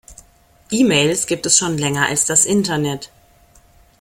E-Mails gibt es schon länger als das Internet.